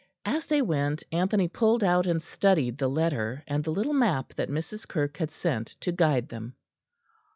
As they went Anthony pulled out and studied the letter and the little map that Mrs. Kirke had sent to guide them.